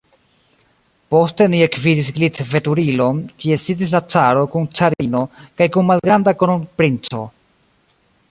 Poste ni ekvidis glitveturilon, kie sidis la caro kun carino kaj kun malgranda kronprinco.